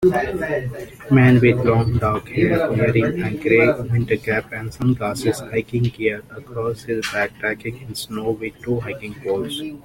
Man with long dark hair wearing a gray winter cap and sunglasses hiking gear across his back tracking in snow with two hiking poles